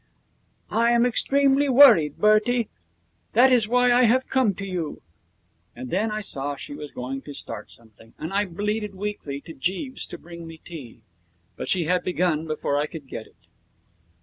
'I am extremely worried, Bertie. That is why I have come to you.' And then I saw she was going to start something, and I bleated weakly to Jeeves to bring me tea. But she had begun before I could get it.